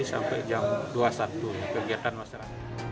sampai jam dua sabtu kegiatan masyarakat